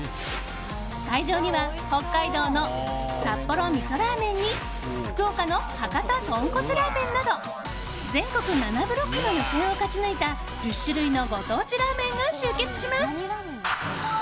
会場には北海道の札幌味噌ラーメンに福岡の博多豚骨ラーメンなど全国７ブロックの予選を勝ち抜いた１０種類のご当地ラーメンが集結します。